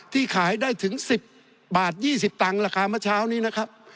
ขายได้ถึง๑๐บาท๒๐ตังค์ราคาเมื่อเช้านี้นะครับ